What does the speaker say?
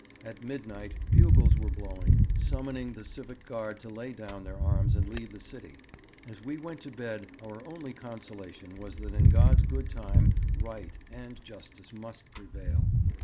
At midnight bugles were blowing, summoning the civic guard to lay down their arms and leave the city.... As we went to bed our only consolation was that in God's good time right and justice must prevail.'